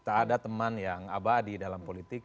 tak ada teman yang abadi dalam politik